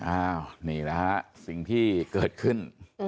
อ้าวนี่แหละฮะสิ่งที่เกิดขึ้น